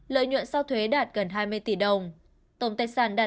lợi nhuận sau thuế đạt gần hai mươi tỷ đồng tổng tài sản đạt hơn một hai trăm linh tỷ đồng